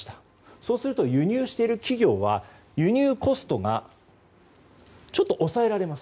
そうすると輸入している企業は輸入コストがちょっと抑えられます。